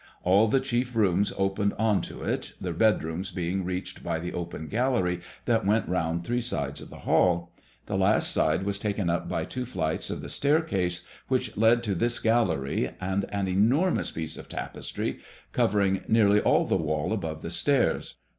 All the chief rooms opened on to it, the bedrooms being reached by the open gallery that went round three sides of the hall. The last side was taken up by two flights of the staircase which led to this gallery, and an enormous piece of tapestry, covering nearly all the wall above the stairs.